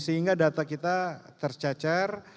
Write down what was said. sehingga data kita tercacer